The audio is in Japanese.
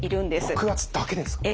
６月だけですからね。